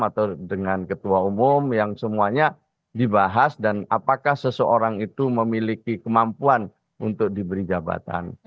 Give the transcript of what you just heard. atau dengan ketua umum yang semuanya dibahas dan apakah seseorang itu memiliki kemampuan untuk diberi jabatan